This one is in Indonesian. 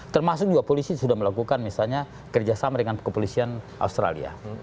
termasuk juga polisi sudah melakukan misalnya kerjasama dengan kepolisian australia